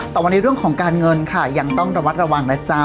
แต่ว่าในเรื่องของการเงินค่ะยังต้องระวัดระวังนะจ๊ะ